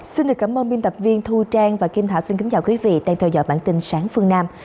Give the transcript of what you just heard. xin cảm ơn biên tập viên thu trang và kim thảo xin kính chào quý vị đang theo dõi bản tin sáng phương nam